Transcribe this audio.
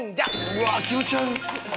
うわっ気持ち悪い。